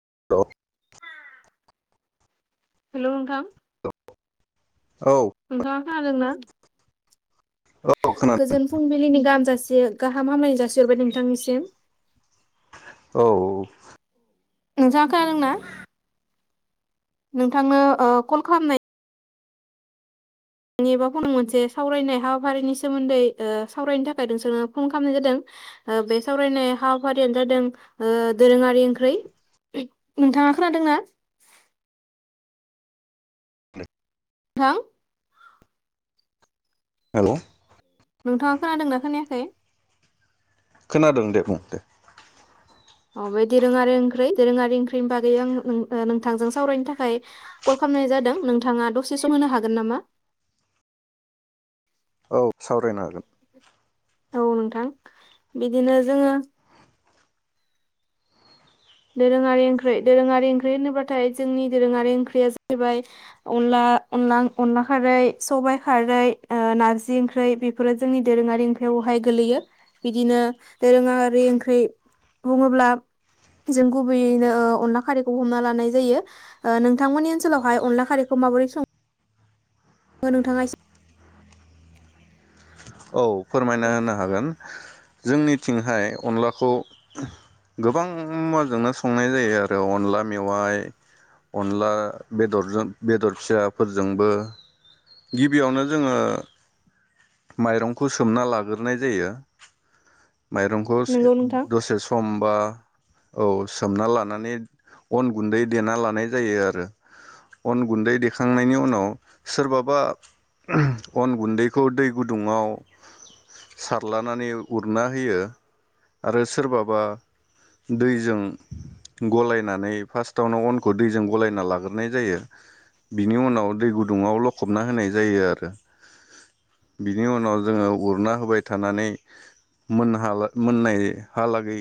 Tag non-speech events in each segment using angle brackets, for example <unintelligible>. <unintelligible> हेल नोंथां। औ नोंथाङा खोनादोंना? औ खोनादों गोजोन फुंबिलिनि गाहाम जासि गाहाम हामलायनाय जासि सि हरबाय नोंथांनिसिम। औ। नोंथाङा खोनादोंना? नोंथांनो कल खालामनाय एबा फन मोनसे सावरायनाय हाबाफारिनि सोमोन्दै सावरायनो थाखाय नोंसोरखो फन खालामनाय जादों बे सावरायनाय हाबाफारियानो जादों ओ दोरोङारि ओंख्रै, नोंथाङा खोनादोंना? थां। हेलौ नोंथाङा खोनादोंना खोनायाखै? खोनादों दे बुं दे। औ बे दोरोङारि ओंख्रै दोरोङारि ओंख्रैनि बागै आं नोंथांजों सावरायनो थाखाय कल खालामनाय जादों नोंथाङा दसे सम होनो हागोन नामा? औ सावरायनो हागोन औ नोंथां बिदिनो जोङो दोरोङारि ओंख्रै दोरोङारि ओंख्रै होनोब्लाथाय जोंनि दोरोङारि ओंख्रैया जाहैबाय अनला अनला अनला खारै सबायाइ खारै नारजि ओंख्रै बेफोरो जोंनि दोरोङारि ओंख्रैयावहाय गोलैयो बिदिनो दोरोङारि ओंख्रै बुङोब्ला जों गुबैयैनो ओ अनला खारैखौ हमना लानाय जायो ओ नोंथांमोननि ओनसोलावहाय अनला खारैखौ माबोरै सं ङो नोंथाङा एसे औ फोरमायना एसे होनो हागोन जोंनिथिंहाय अनलाखौ गोबां मुवाजोंनो संनाय जायो आरो अनला मेवाय अनला बेदरजों बेदर फिसाफोरजोंबो गिबियावनो जोङो माइरंखौ सोमना लाग्रोनाय जायो। माइरंखौ नंगौ नोंथां दसे सम बा औ सोमना लानानै अन गुन्दै देना लानाय जायो आरो अन गुन्दै देखांनायनि उनाव सोरबाबा अन गुन्दैखौ दै गुदुङआव सारलानानै उरना होयो आरो सोरबाबा दैजों गलायनानै फास्तावनो अनखौ दैजों गलायना लाग्रोनाय जायो बिनि उनाव दै गुदुङाव लखबना होनाय जायो आरो बिनि उनाव जोङो उरना होबाय थानानै मोन मोननाय हालागै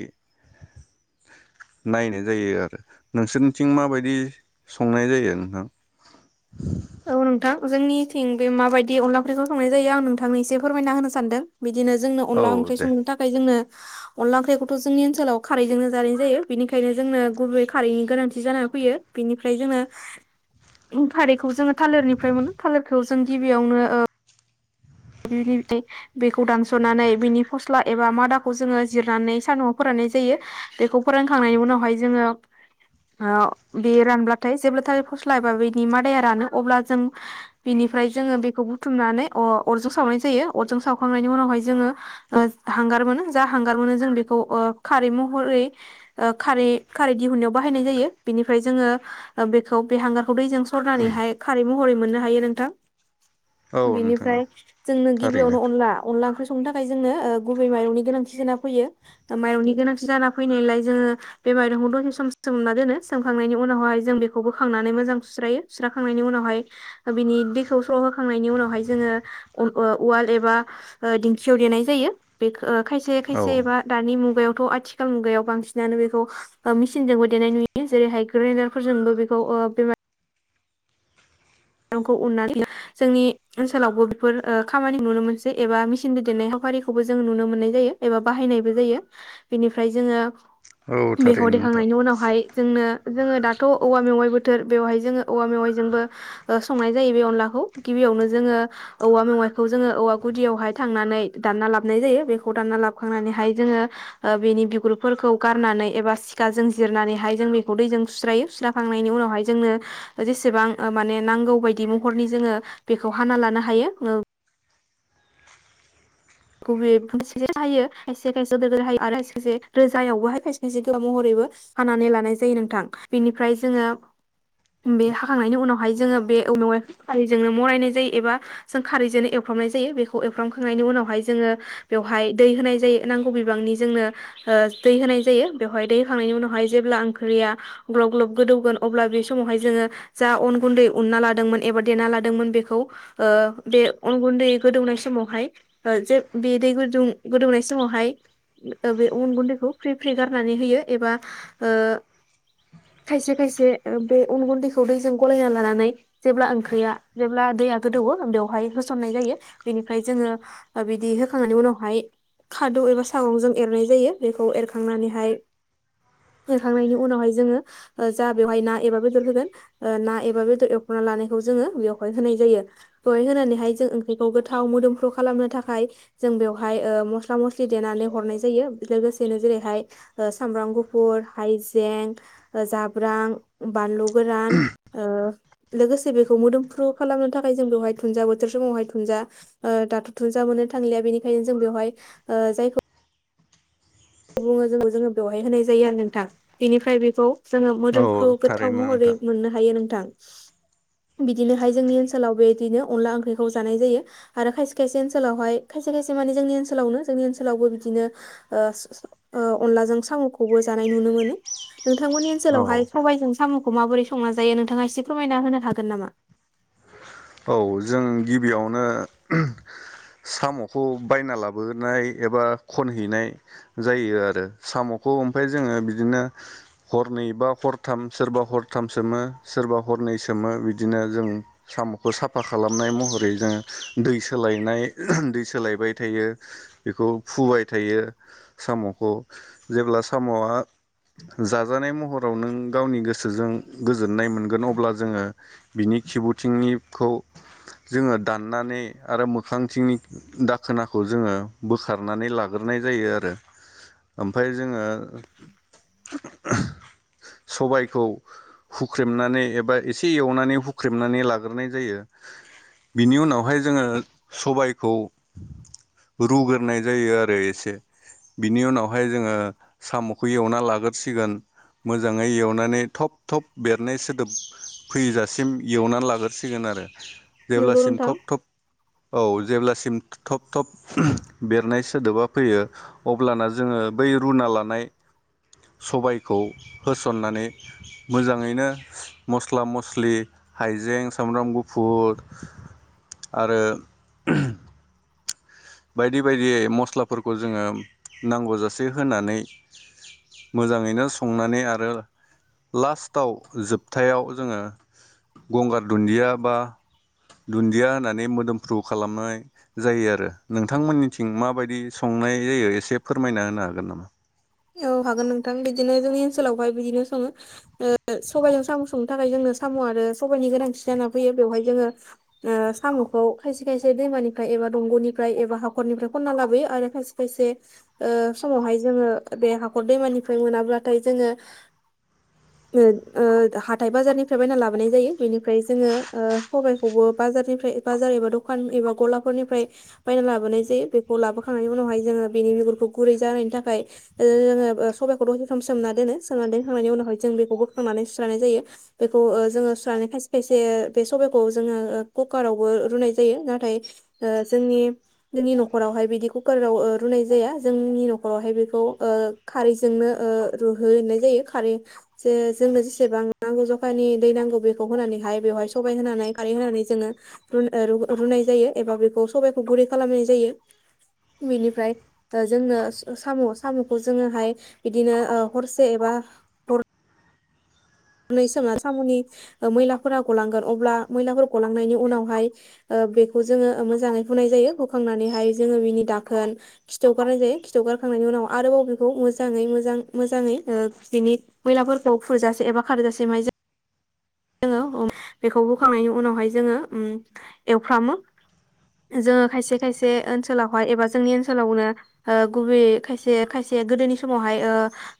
नायनाय जायो आरो नोंसोरनिथिं माबायदि संनाय जायो नोंथां औ नोंथां जोंनिथिं बे माबायदि अनला ओंख्रैखौ संनाय जायो आं नोंथांनि एसे फोरमायना होनो सानदों बिदिनो जोंनो औ अनला ओंख्रि दे संनो थाखाय जोंनो अनला ओंख्रिखौथ' जोंनि ओनसोलाव खारैजोंनो जानाय जायो बेनिखायनो जोंनो गुबै खारैनि गोनांथि जानानै फैयो बेनिफ्राय जोंनो खारैखौ जोङो थालिरनिफ्राय मोनो थालिरखौ जों गिबियावनो ओ बिनिफ्राय बेखौ दानसनानै बिनि फस्ला एबा मादाखौ जोङो जिरनानै सान्दुंआव फोराननाय जायो बेखौ फोरानखांनायनि उनावहाय जोङो ओ बे रानब्लाथाय जेब्लाथाय फस्ला एबा बेनि मादाया रानो अब्ला जों बिनिफ्राय जोङो बेखौ बुथुमनानै अ रजों सावनाय जायो अरजों सावखांनायनि उनावहाय जोङो हांगार मोनो जा हांगार मोनो जों ओ बेखौ खारै महरै खारै दिहुननायाव बाहायनाय जायो बेनिफ्राय जोङो बेखौ बे हांगार खौ दैजों सरनानैहाय खारै मह रै मोननो हायो नोंथां। औ नोंथां बेनिफ्राय जोंनो थारैनो गिबियावनो अनला अनला ओंख्रि सं नो थाखाय जोंनो ओ गुबै माइरंनि गोनांथि जाना फैयो माइरंनि गोनांथि जाना फैनायलाय जोङो बे माइरंखौ दसे सम सोमना दोनो सोमखांनायनि उनावहाय जों बेखौ बोखांनानै मोजां सुस्रायो सुस्राखांनायनि उनावहाय ओ बिनि दैखौ स्र होखांनायनि उनावहाय जोङो उ-उवाल एबा ओ दिंखियाव देनाय जायो बे ओ खायसे औ खायसेबा दानि मुगायाव थ आथिखाल मुगायाव बांसिनानो बेखौ ओ मेसिनजोंबो देनाय नुयो जेरैहाय ग्रेन्दारफोरजोंबो बेखौ ओ बे माय रंखौ उन्नानै जोंनि ओनसोलावबो बेफोर ओ खामानिखो नुनो मोनसै एबा मेसिन दैदेननाय हाबाफारिखौबो जों नुनो मोननाय जायो एबा बाहायनायबो जायो बेनिफ्राय जोङो औ बेखौ थारैनो नोंथां देखांनायनि उनावहाय जोंनो जोङो दाथ' औवा मेवाइ बोथोर बेवहाय जोङो औवा मेवाइजोंबो ओ संनाय जायो बे अनलाखौ गिबियावनो जोङो औवा मेवाइखौ जोङो औवा गुदियावहाय थांनानै दानना लाबनाय जायो बेखौ दानना लाबखांनानैहाय जोङो ओ बेनि बिगुरफोरखौ गारनानै एबा सिखाजों जिरनानैहाय जों बेखौ दैजों सुस्रायो सुस्राखांनायनि उनावहाय जोंनो जेसेबां माने नांगौ बायदि महरनि जोङो बेखौ हाना लानो हायो ओ गुबेैयै मोनसे हायो खायसे खायसे गो हायो आरो खाय खायसे रोजायावबोहायो खायसे खायसे गोबाव महरैबो हानानै लानाय जायो नोंथां बेनिफ्राय जोङो बे हाखांनायनि उनावहाय जोङो बे औवा मेवायखौ खारैजोंनो मरायनाय जायो एबा जों खारैजोंनो एवफ्रामनाय जायो बेखौ एवफ्रामखांनायनि उनावहाय जोङो बेवहाय दै होनाय जायो नांगौ बिबांनि जोंनो ओ दै होनाय जायो बेवहाय दै होखांनायनि उनावहाय जेब्ला ओंख्रिया ग्लब ग्लब गोदौगोन अब्ला बे समावहाय जोङो जा अन गुन्दै उनना लादोंमोन एबा देना लादोंमोन बेखौ बे अन गुन्दै गोदौनाय समावहाय जे बे दै गुदुं गोदौनाय समावहाय ओ बे उन गुन्दैखौ फ्रि फ्रि गारनानै होयो एबा ओ खायसे खायसे बे अन गुन्दैखौ दैजों गलायना लानानै जेब्ला ओंख्रिया जेब्ला दैया गोदौवो बेवहाय होसननाय जायो बेनिफ्राय जोङो ओ बिदि होखांनायनि उनावहाय खादौ एबा सागंजों एरनाय जायो बेखौ एरखांनानैहाय एरखांनायनि उनावहाय जोङो ओ जा बेवहाय ना एबा बेदर होगोन ओ ना एबा बेदर एरखना लानायखौ जोङो बेवहाय होनाय जायो बेवहाय होनानैहाय जों ओंख्रिखौ गोथाव मोदोमफ्रु खालामनो थाखा य जों बेयावहाय ओ मस्ला मस्लि देनानै हरनाय जायो लोगोसेनो जेरैहाय ओ सामब्राम गुफुर हायजें जाब्रां बानलु गोरान ओ लोगोसे बेखौ मोदोमफ्रु खालामनो थाखाय जों बेवहाय थुुनजा बोथोर समावहाय थुनजा आ दाथ' थुनजा मोननो थांलिया बेनिखायनो जों बेवहाय ओ जायखौ बुङो जों जोङो बेवहाय होनाय जायो आरो नोंथां बेनिफ्राय बेखौ जोङो औ मोदोमफ्रु गोथाव थारैनो महरै नोंथां मोननो हायो नों थां बिदिनोहाय जोंनि ओनसोलाव बेदिनो अनला ओंख्रिखौ जानाय जायो आरो खायसे खायसे ओनसोलावहाय खायसे खायसे माने जोंनि ओनसोलावनो जोंनि ओनसोलावबो बिदिनो ओ ओ अनलाजों सामखौबो जानाय नुनो मोनो नोंथांमोननि औ ओनसोलावहाय सबायजों सामखौ माबोरै संना जायो नोंथाङा एसे फोरमायना होनो हागोन नामा औ जों गिबियावनो ओहोम सामखौ बायना लाबोनाय एबा खनहैनाय जायो आरो सामखौ ओमफ्राय जोङो बिदिनो हरनै बा हरथाम सोरबा हरथाम सोमो सोरबा हरनै सोमो बिदिनो जों साम खौ साफा खालामनाय महरै जोङो दै सोलायनाय ओहोम दै सोलायबाय थायो बेखौ फुबाय थायो सामखौ जेब्ला सामआ जाजानाय महराव नों गावनि गोसोजों गोजोननाय मोनगोन अब्ला जोङो बिनि खिबुथिंनि खौ जोङो दाननानै आरो मोखांथिंनि दाखोनाखौ जोङो बोखारनानै लाग्रोनाय जायो आरो ओमफ्राय जोङो ओ सबायखौ हुख्रेमनानै एबा एसे एवनानै हुख्रेमनानै लाग ग्रोनायजायो बिनि उनावहाय जोङो सबायखौ रुग्रोनाय जायो आरो एसे बिनि उनावहाय जोङो सामखौ एवना लागोरसिगोन मोजाङै एवनानै थब थब बेरनाय सोदोब फैजासिम एवनानै लाग्रो सिगोन आरो नोंगौ जेब्लासिम नोंथां थब थब औ जेब्लासिम थब थब ओहोम बेरनाय सोदोबा फैयो अब्लाना जोङो बै रुना लानाय सबायखौ होसननानै मोजाङैनो मस्ला मस्लि हाइजें सामब्राम गुफुर आरो ओहोम बाइदि बाइदि मसलाफोरखौ जोङो नांगौ जासे होनानै मोजाङैनो सांननानै आरो लासथाव जोबथायाव जोङो गंगार दुन्दिया बा दुन्दिया होननानै मोदोमफ्रु खालामनाय जायो आरो नोंथांमोननिथिं माबायदि संनाय जायो एसे फोरमायना होनो हागोन नामा औ हागोन नोंथां बिदिनो जोंनि ओनसोलावहाय बिदिनो सङो ओ सबायजों साम संनो थाखाय जोंनो साम आरो सबायाइनि गोनांथि जाना फैयो बेवहाय जोङो ओ सामखौ खायसे खायसे दैमानिफ्राय एबा दंगनिफ्राय एबा हाखरनिफ्राय खनना लाबोयो आरो खायसे खायसे ओ समावहाय जोङो बे हाखर दैमानिफ्राय मोनाब्लाथाय जोङो ओ ओ हाथाइ बाजारनिफ्राय बायना लाबोनाय जायो बेनिफ्राय जोङो ओ सबायाइखौबो बाजारनिफ्राय बाजार एबा दखान एबा गलाफोरनिफ्राय बायना लाबोनाय जायो बेखौ लाबोखांनायनि उनावहाय जोङो बेनि बिगुरखौ गुरै जानायनि थाखाय ओ सबाइखौ दसेसम सोमना दोनो सोमना दोनखांनायनि उनावहाय जों बेखौ बोखांनानै सुस्रानाय जायो बेखौ ओ जोङो सुनानै खायसे खायसे बे सबाइखौ जोङो कुकारावबो रुनाय जायो नाथाय ओ जोंनि जोंनि नखरावहाय बिदि कुकाराव रुनाय जाया जोंनि नखरावहाय बेखौ ओ खारैजोंनो ओ रुहैनाय जायो खारै जे जोंनो जेसेबां नांगौ जखानि दै नांगौ बेखौ होनानैहाय बेवहाय सबायाइ होनानै खारै होनानै जोङो रू ओ रुनाय जायो एबा बेखौ सबायाइखौ गुरै खालामनाय जायो बेनिफ्राय जोंनो सामस खामुखौ जोङोहाय बिदिनो ओ हरसे एबा नइ सोमना सामनि ओ मैलाफोरा गलांगोन अब्ला मैलाफोर गलांनायनि उनावहाय ओ बेखौ जोङो मोजाङै हुनाय जायो हुखांनानैहाय जोङो बिनि दाखोन खिथु गारनाय जायो खिथु गारखांनायनि उनाव आरोबाव बेखौ मोजाङै मोजां मोजाङै ओ बिनि मैलाफोरखौ फुजासे एबा खारजासिमायजा जोंङो बेखौ बोखांनायनि उनावहाय जोङो ओम एवफ्रामो जोङो खायसे खायसे ओनसोलावहाय एबा जोंनि ओनसोलावनो ओ गुबै खायसे खायसे गोदोनि समावहाय ओ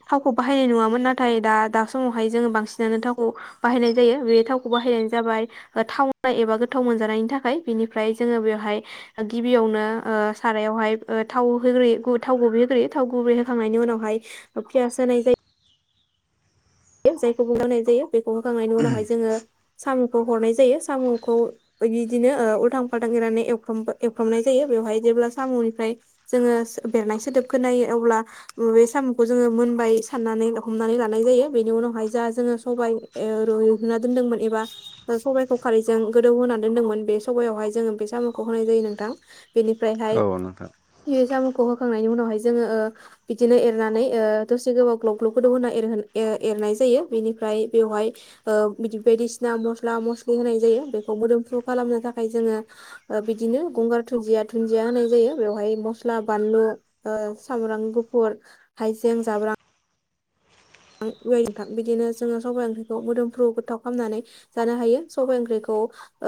थावखौ बाहायनाय नुवामोन नाथाय दा दा समावहाय जोङो बांसिनानो थावखौ बाहायनाय जायो बे थावखौ बाहायनाय जाबाय थावनाय एबा गोथाव मोनजानायनि थाखाय बेनिफ्राय जोङो बेवहाय गिबियावनो ओ सारायावहाय ओ थाव होग्रोयो गु थाव गुबै होग्रोयो थाव गुबै होखांनायनि उनावहाय पियास होनाय जायो जायखौ बुंनाय जायो बेखौ होखांनायनि उनावहाय जोङो सा खौ हरनाय जायो सामखौ बिदिनो उल्थां फाल्थां एरनानै एव एवख्रमनाय जायो बेवहाय जेब्ला सामनिफ्राय जोङो बेरनाय सोदोब खोनायो अब्ला बे सामखौ जोङो मोनबाय साननानै हमनानै लानाय जायो बेनि उनावहाय जा जोङो सबाइ रुना दोनदोंमोन एबा सबाइखौ खारैजों गोदौ होना दोनदोंमोन बे सबायावहाय जोङो बे सामखौ होनाय जायो नोंथां बेनिफ्रायहाय औ नोंथां बे सामखौ होखांनायनि उनावहाय जोङो ओ बिदिनो एरनानै ओ दसे गोबाव ग्लब ग्लब गोदो होना एरहोन ए एरनाय जायो बेनिफ्राय बेवहाय ओ बायदिसिना मस्ला मस्लि होनाय जायो बेखौ मोदोमफ्रु खालामनो थाखाय जोङो ओ बिदिनो गंगार दुुनन्दिया दुुनदिया होनाय जायो बेवहाय मस्ला बानलु ओ सामब्राम गुफुर हाइजें जाब्रां नोंथां बिदिनो जोङो सबाइ ओंख्रिखौ मोदोमफ्रु गोथाव खालामनानै जानो हायो सबाय ओंख्रिखौ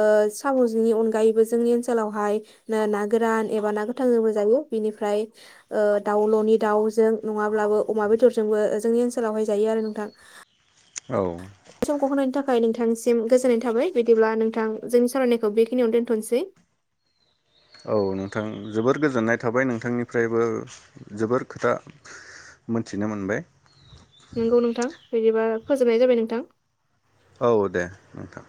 ओ सामजोंनि अनगायैबो जोंनि ओनसोलावहाय नो ना गोरान एबा ना गोथाजोंबो जायो बिनिफ्राय ओ दाउ ननि दाउजों नङाब्लाबो अमा बेदरजोंबो जोंनि ओनसो लावहाय जायो आरो नोंथां औ खौ होनायनि थाखाय नोंथांनिसिम गोजोननाय थाबाय बिदिब्ला नोंथां जोंनि सावरायनायखौ बेखिनियावनो दोन्थ नोसै औ नोंथां जोबोर गोजोननाय थाबाय नोंथांनिफ्रायबो जोबोर खोथा मोनथिनो मोनबाय नंगौ नोंथां बिदिबा फोजोबनाय जाबाय नोंथां औ दे नोंथां